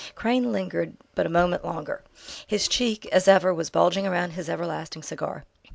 Crane lingered but a moment longer. His cheek, as ever, was bulging round his everlasting cigar.